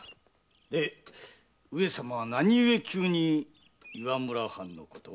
で上様は何故急に岩村藩のことを？